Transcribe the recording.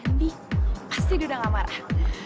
andi pasti dia udah gak marah